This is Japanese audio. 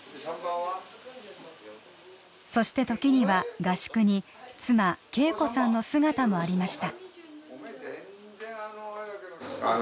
そして時には合宿に妻・恵子さんの姿もありました